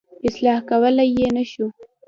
اصلاح کولای یې نه شو.